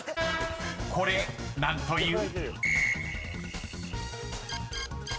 ［これ何という？］